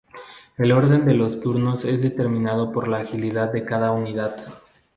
El orden de los turnos es determinado por la Agilidad de cada unidad.